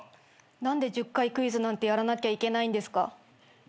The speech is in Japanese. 何で１０回クイズなんてやらなきゃいけないんですか？